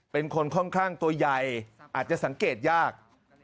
เป็นคนค่อนข้างตัวใหญ่อาจจะสังเกตยาก